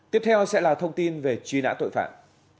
tiếp theo sẽ là thông tin về truy nã tội phạm